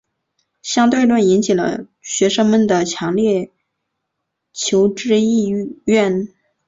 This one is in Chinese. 相对论引起了学生们的强烈求知意愿。